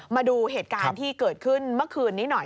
มาดูเหตุการณ์ที่เกิดขึ้นเมื่อคืนนี้หน่อย